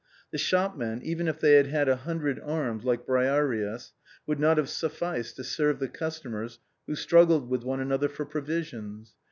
The shopmen, even if they had had a hundred arms, like Briareus, would not have sufficed to serve the customers who struggled with one another for provisions.